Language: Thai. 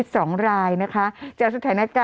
กรมป้องกันแล้วก็บรรเทาสาธารณภัยนะคะ